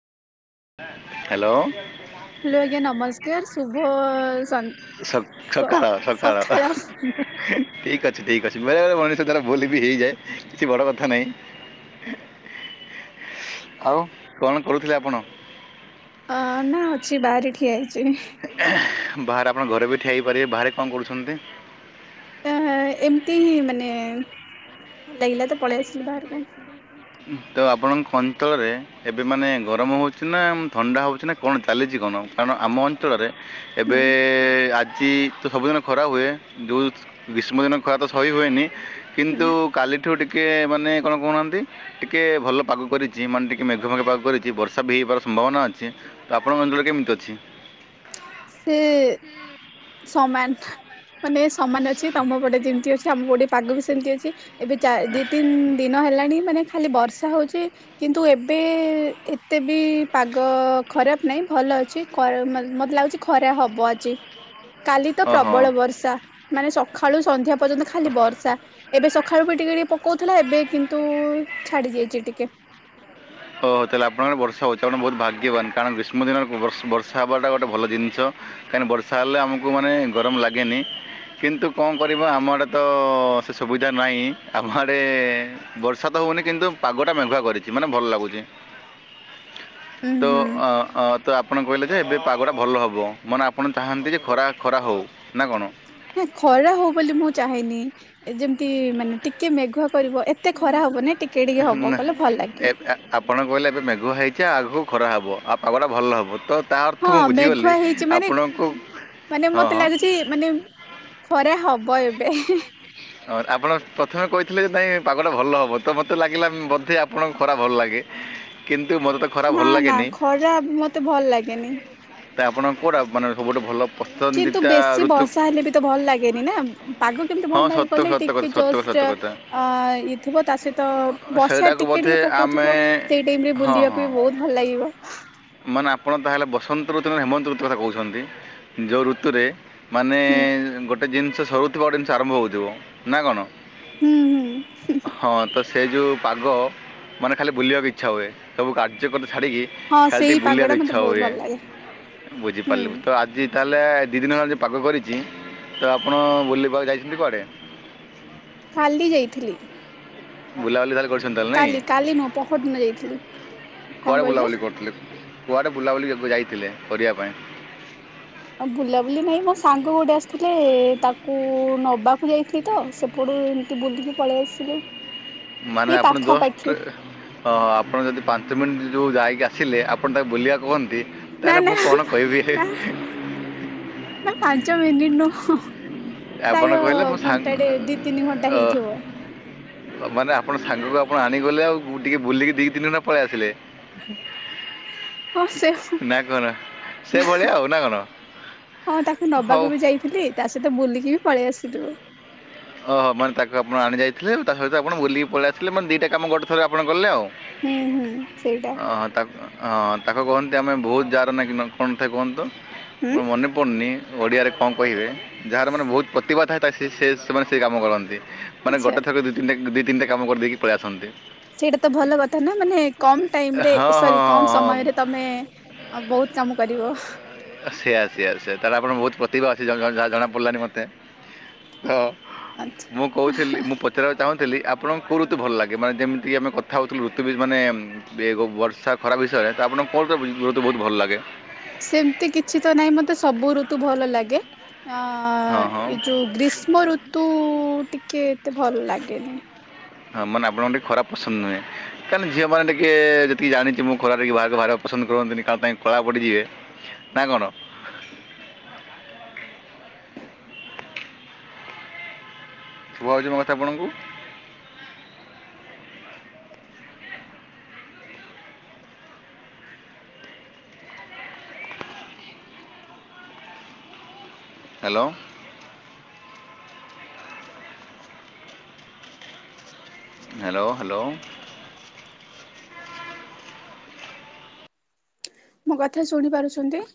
Hello. Hello ଆଜ୍ଞା ନମସ୍କାର ଶୁଭ ସ ସକାଳ ସକାଳ। ଠିକ ଅଛି ଠିକ ଅଛି ବେଳେ ବଳେ ମଣିଷ ତାରା ବୋଲି ବି ହେଇଯାଏ କିଛି ବଡ କଥା ନାହିଁ। ଆଉ କଣ କରୁଥିଲେ ଆପଣ? ଅ ନା ଅଛି ବାହାରେ ଠିଆ ହେଇଛି। ବାହାରେ ଆପଣ ଘରେ ବି ଠିଆ ହେଇପାରିବେ ବାହାରେ କଣ କରୁଛନ୍ତି? ଅ ଏମିତି ହିଁ ମାନେ ଲାଗିଲା ତ ପଳେଇ ଆସିଲି ବାହାର କୁ। ତ ଆପଣଙ୍କ ଅଞ୍ଚଳରେ ଏବେ ମାନେ ଗରମ ହଉଛି ନା ଥଣ୍ଡା ହଉଛି ନା କଣ ଚାଲିଛି କଣ କାରଣ ଆମ ଅଞ୍ଚଳରେ ଏବେ ହୁଁ ଆଜି ତ ସବୁଦିନ ଖୋରା ହୁଏ ଦୁଧ ଗ୍ରୀଷ୍ମ ଦିନ ଖୁଆ ତ ସହି ହୁଏନି ହୁଁ। କିନ୍ତୁ କାଲିଠୁ ଟିକେ ମାନେ କଣ କହୁନାହାଁନ୍ତି। ଟିକିଏ ଭଲ ପାଗ କରିଛି ମାନେ ଟିକେଏ ମେଘ ମେଘ ପାଗ କରିଛି ବର୍ଷା ବି ହେଇବାର ସମ୍ଭାବନା ଅଛି। ତ ଆପଣଙ୍କ ଅଞ୍ଚଳରେ କେମିତି ଅଛି? ସେ ସମାନ ମାନେ ସମାନ ଅଛି ତମ ପଟେ ଯେମତି ଅଛି ଆମ ବଟେ ପାଗ ବି ସେମିତି ଅଛି। ଏବେ ଚ ଦି ତିନି ଦିନ ହେଲାଣି ମାନେ ଖାଲି ବର୍ଷା ହଉଛି। କିନ୍ତୁ ଏବେ ଏତେ ବି ପାଗ ଖରାପ ନାହିଁ ଭଲ ଅଛି। ମୋତେ ଲାଗୁଛି ଖରା ହବ ଆଜି। କାଲି ତ ଓହୋ ପ୍ରବଳ ବର୍ଷା ମାନେ ସକାଳୁ ସନ୍ଧ୍ୟା ପର୍ଯ୍ୟନ୍ତ ଖାଲି ବର୍ଷା। ଏବେ ସକାଳୁ ବି ଟିକେ ଟିକେ ପକଉଥିଲା ଏବେ କିନ୍ତୁ ଛାଡି ଯାଇଛି ଟିକେ। ଓ ହଉ ତାହେଲେପଣଙ୍କ ବର୍ଷା ହଉଛି ଆପଣ ବହୁତ ଭାଗ୍ୟବାନ କାରଣ ଗ୍ରୀଷ୍ମିନ ବର୍ଷ ବର୍ଷା ହ ହେବାଟା ଗୋଟେ ଭଲ ଜିନିଷ। କାହିଁକି ବର୍ଷା ହେଲେ ଆମକୁ ମାନେ ଗରମ ଲାଗେନି। କିନ୍ତୁ କଣ କରିବା ଆମଡ଼ ତ ସେ ସୁବିଧା ନାହିଁ ଆମ ଆଡ଼େ ବର୍ଷା ତ ହଉନି କିନ୍ତୁ ପାଗଟା ମେଘୁଆ କରିଛି ମାନେ ଭଲ ଲାଗୁଛି। ତ ଉୁଁ ତ ହୁଁ। ଆପଣ କହିଲେ ଯେ ଏବେ ପାଗଟା ଭଲ ହେବ ମାନେ ଆପଣ ଚାହାନ୍ତି ଯେ ଖରା ଖରା ହେଉ ନା କଣ? ଖରା ହଉ ବୋଲି ମୁଁ ଚାହଁନି ଯେମିତି ମାନେ ଟିକେ ମେଘୁଆ କରିବ ଏତେ ଖରା ହବ ନାଇ ଟିକେ ଟିକେ ହବ କହିଲଲେ ଭଲ ଲାଗିବ। ଆପଣଙ୍କ କହିଲେ ଏବେ ମେଘୁ ହେଇଛି ଆଗକୁ ଖରା ହବ ଆଉ ପାଗଟା ଭଲ ହବ ତ ତା ଅର୍ଥ ହଁ ମୁଁ ବୁଝିଗଲି ମେଘୁଆ ହେଇଛି ମାନେ ଆପଣଙ୍କୁ ମାନେ ହଁ ମତେ ହଁ। ଲାଗୁଛି ମାନେ ଖରା ହବ ଏବେ। ହଁ ଆପଣ ପ୍ରଥମେ କହିଥିଲେ ଯେ ନାଇଁ ପାଗଟା ଭଲ ହବ ତ ମୋତେ ଲାଗିଲା ବଧେ ଆପଣଙ୍କୁ ଖରା ଭଲ ଲାଗେ। କିନ୍ତୁ ମୋତେ ତ ଖରା ନା ଭଲ ନା ଲାଗେନି ଖରା ମତେ ଭଲ ଲାଗେନି। ତ ଆପଣ କତ ମାନେ ସବ ଭଲ କିନ୍ତୁ ପସନ୍ଦିତା ବେଶୀ ଋତୁ ବର୍ଷା ହେଲେ ବି ତ ଭଲ ଲାଗେନି ନା? ପାଗ କେମିତି ହଁ ଭଲ ଲାଗେ ସତ କହିଲେ ସତ କଥା ଟିକେ ସତ ସତ ଜଷ୍ଟ କଥା ଅ ଇଏ ଥିବ ତା ସହିତ ବର୍ଷା ସେଇଟାକୁ ଟିକେ ବୋଧେ ଟିକେ ଆମେ ପକଉଥିବ ସେଇ ଟାଇମ ରେ ହଁ ବୁଲିବାକୁ ହଁ ବି ବହୁତ ଭଲ ଲାଗିବ। ମାନେ ଆପଣ ତାହେଲେ ବସନ୍ତ ଋତୁ [unintelligible] ହେମନ୍ତ ଋତୁ କଥା କହୁଛନ୍ତି। ଯେଉଁ ଋତୁରେ ମାନେ ହୁଁ ଗୋଟେ ଜିନିଷ ସରୁଥିବ ଗୋଟେ ଜିନିଷ ଆରମ୍ଭ ହେଉଥିବ ନା କଣ? ହୁଁ ହୁଁ ହଁ, ତ ସେ ଯେଉଁ ପାଗ ମାନେ ଖାଲି ବୁଲିବାକୁ ଇଚ୍ଛା ହୁଏ। ସବୁ କାର୍ଯ୍ୟ କରି [unintelligible] ଛାଡ଼ିକି ହଁ ଖାଲି ଟିକେ ସେଇ ପାଗ ବୁଲିବାକୁ ଟା ମତେ ଇଚ୍ଛା ହୁଏ। ବହୁତ ଭଲ ଲାଗେ ହୁଁ ବୁଝିପାରିଲୁ ତ ଆଜି ତାହେଲେ ଦୁଇ ଦିନ ହେଲା ଯୋଉ ପାଗ କରିଛି ତ ଆପଣ ବୁଲିବାକୁ ଯାଇଛନ୍ତି କୁଆଡ଼େ? କାଲି ଯାଇଥିଲି। ବୁଲାବୁଲି ତାହେଲେ କରିଛନ୍ତି? ତାହେଲେ ନାଇଁ କାଲି, କାଲି ନୁହଁ ପହରଦିନ ଯାଇଥିଲି। କଣ କୁଆଡ଼େ କହିଲେ ବୁଲାବୁଲି କରୁଥିଲେ? କୁଆଡ଼େ ବୁଲାବୁଲି ଏବେ ଯାଇଥିଲେ କରିୟା ପାଇଁ? ଆଉ ଭୁଲାଭୁଲି ନାହିଁ ମୋ ସାଙ୍ଗ ଗୋଟେ ଆସିଥିଲେ ତାକୁ ନବାକୁ ଯାଇଥିଲି ତ ସେପଟୁ ଟିକେ ବୁଲିକି ପଳେଇ ଆସିଲୁ। ମାନେ ଏଇ ଆପଣ ଯଷ୍ଟ ପାଖାପାଖି ହଁ ହଁ ଆପଣ ଯଦି ପାଞ୍ଚ ମିନିଟ୍ ଯୋଉ ଯାଇକି ଆସିଲେ ଆପଣ ତାକୁ ବୁଲିଆ କୁହନ୍ତି ନା ତାହେଲେ ନା ମୁଁ କଣ କହିବି ହେ ନାଁ ପାଞ୍ଚ ମିନିଟ ନୁହଁ ଆପଣ ପ୍ରାୟ କହିଲେ ମୋ ଘଣ୍ଟା ଟେ ଦି ତିନି ଘଣ୍ଟା ସାଙ୍ଗ ହେଇଥିବ। ମାନେ ଆପଣ ସାଙ୍ଗକୁ ଆପଣ ଆଣିଗଲେ ଆଉ [unintelligible] ବୁଲିକି ଦି ତିନି ଘଣ୍ଟା ପଳେଇ ଆସିଲେ? ହଁ ସେସ୍ ନାଁ କଣ ସେ ଭଳିଆ ଆଉ ନାଁ କଣ? ତାକୁ ହଉ। ନବାକୁ [unintelligible] ତା ସହିତ ବୁଲିକି ବି ପଳେଇ ଆସିଲୁ। ଓହୋ ମନେ ତାକୁ ଆପଣ ଆଣି ଯାଇଥିଲେ ତା ସହିତ ଆପଣ ବୁଲିକି ପଳେଇ ଆସିଲେ ମାନେ ଦିଟା କାମ ଗୋଟେ ଥରେ ଆପଣ କଲେ ଆଉ। ହୁଁ ହୁଁ ସେଇଟା। ହଁ ହଁ ତାକୁ ହଁ ତାକୁ କୁହନ୍ତି ଆମେ ବହୁତ ଯାହାର ନାହିଁ [unintelligible] କଣ ଥାଏ କୁହନ୍ତି ତ? ହୁଁ ମୋର ମନେ ପଡ଼ୁନି ଓଡ଼ିଆରେ କଣ କହିବେ ଯାହାର ମାନେ ବହୁତ ପ୍ରତିଭା ଥାଏ ତାଏ ସିଏ ସେ ସେମାନେ ସେଇ କାମ କରନ୍ତି। ମାନେ ଆଚ୍ଛା। ଗୋଟେ ଥର ଦୁଇ ତିନିଟା ଦୁଇ ତିନିଟା କାମ କରି ଦେଇକି ପଳେଇ ଆସନ୍ତି। ସେଇଟା ତ ଭଲ କଥା ନାଁ ମାନେ କମ ହଁ ଟାଇମରେଏ ହଁ ସରି କମ ହଁ ହଁ ସମୟରେ ତମେ ଆଁ ବହୁତ କାମ କରିବ ହଁ। ସେଆ ସେଆ ସେଆ ତାହେଲେ ଆପଣ ବହୁତ ପ୍ରତିଭା ଅଛି ଯାହା ଜଣା ଜଣା ଯାହା ଜଣା ପଡ଼ିଲାନି ମତେ। ହ ଆଛା। ମୁଁ କହୁଥିଲି ମୁଁ ପ ପଚାରିବାକୁ ଚାହୁଁଥିଲି ଆପଣଙ୍କୁ କୋଉ ଋତୁ ଭଲ ଲାଗେ? ମାନେ ଯେମିତି ଆମେ କଥା ହୋଉଥିଲୁ ଋତୁ ବି ମାନେ ଏ ବର୍ଷା ଖରା ବିଷୟରେ ତ ଆପଣଙ୍କୁ କେଉଁ ଋତୁ ବହୁତ ବହୁତ ଭଲ ଲାଗେ? ସେମିତି କିଛି ତ ନାହିଁ ମତେ ସବୁ ଋତୁ ଭଲ ଲାଗେ। ଅ ହଁ ହଁ ଏଇ ଯୋଉ ଗ୍ରୀଷ୍ମ ଋତୁ ଟିକେ ଏତେ ଭଲ ଲାଗେନି। ହଁ ମାନେ ଆପଣଙ୍କୁ ଟି ଖରା ପସନ୍ଦ ନୁହେଁ? [unintelligible] ମାନେ ଝିଅ ମାନେ ଟିକେ ଯେତିକି ଜାଣିଛି ମୁଁ ଖରାରେ ଟିକେ ବାହାରକୁ ବାହାରିବାକୁ ପସନ୍ଦ କରନ୍ତିନି [unintelligible] ପାଇଁ କଳା ପଡ଼ିଯିବେ। ନାଁ କଣ? ଶୁଭା ଯାଉଛି ମୋ କଥା ଆପଣଙ୍କୁ? ହ୍ୟାଲୋ। ହ୍ୟାଲୋ। ହ୍ୟାଲୋ। ମୋ କଥା ଶୁଣି ପାରୁଛନ୍ତି?